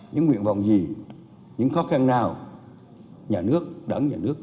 những nguyện vọng gì những khó khăn nào nhà nước đảng nhà nước